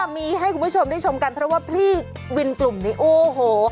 มีให้คุณผู้ชมได้ชมกันเพราะว่าพี่วินกลุ่มนี้โอ้โห